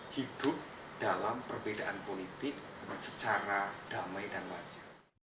hidup dalam perbedaan politik secara damai dan wajar